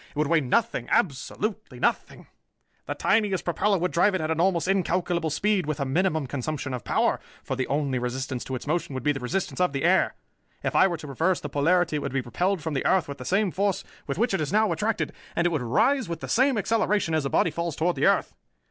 It would weigh nothing, absolutely nothing! The tiniest propeller would drive it at almost incalculable speed with a minimum consumption of power, for the only resistance to its motion would be the resistance of the air. If I were to reverse the polarity, it would be repelled from the earth with the same force with which it is now attracted, and it would rise with the same acceleration as a body falls toward the earth.